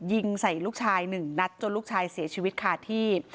ยิงใส่ลูกชายหนึ่งนัดจนลูกชายเสียชีวิตคาที่